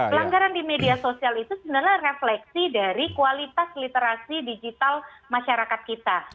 pelanggaran di media sosial itu sebenarnya refleksi dari kualitas literasi digital masyarakat kita